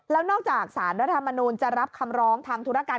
แล้วนอกจากสารรัฐมนูลจะรับคำร้องทางธุรการ